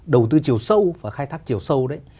đầu tư chiều sâu và khai thác chiều sâu đấy